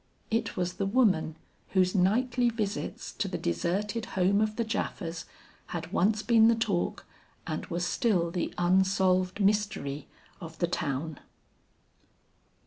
It was the woman whose nightly visits to the deserted home of the Japhas had once been the talk and was still the unsolved mystery of the town.